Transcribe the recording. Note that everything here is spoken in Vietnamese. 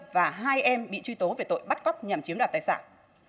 và hai em bị truy tố về tội bắt cóc nhằm chiếm đoạt tài sản